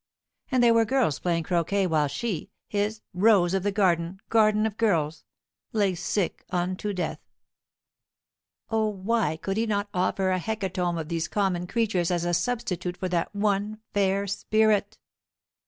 And there were girls playing croquêt while she, his "rose of the garden, garden of girls," lay sick unto death! O, why could he not offer a hecatomb of these common creatures as a substitute for that one fair spirit?